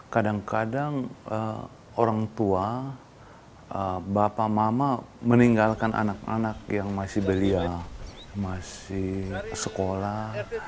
kadang kadang orang tua bapak mama meninggalkan anak anak yang masih belia masih sekolah